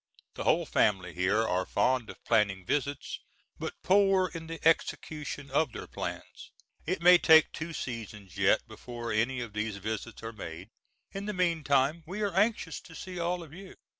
The whole family here are fond of planning visits, but poor in the execution of their plans. It may take two seasons yet before any of these visits are made; in the meantime, we are anxious to see all of you.